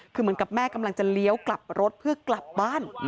คือเหมือนกับแม่กำลังจะเลี้ยวกลับรถเพื่อกลับบ้าน